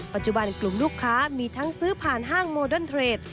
ปัจจุบันกลุ่มลูกค้ามีทั้งซื้อผ่านห้างโมเดิร์นเทรด